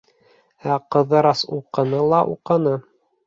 Ә Ҡыҙырас уҡыны ла уҡыны.